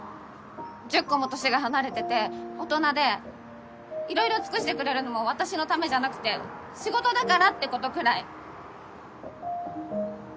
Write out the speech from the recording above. １０コも年が離れてて大人でいろいろ尽くしてくれるのも私のためじゃなくて仕事だからってことくらい。